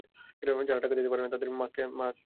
যারা টাকা দিতে পারে না, তাদের মাসকে মাস আটকে রাখা হয়।